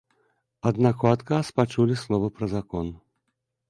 Аднак у адказ пачулі словы пра закон.